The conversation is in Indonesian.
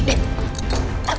sampai jumpa lagi